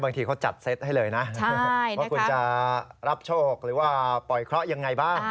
บางทีเขาจัดเซตให้เลยนะว่าคุณจะรับโชคหรือว่าปล่อยเคราะห์ยังไงบ้าง